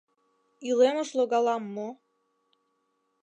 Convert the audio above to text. Илемыш логалам мо?